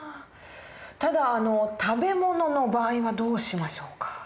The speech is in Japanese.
ただ食べ物の場合はどうしましょうか？